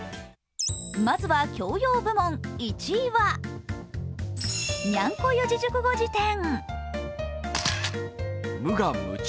まずは教養部門１位は「にゃんこ四字熟語辞典」。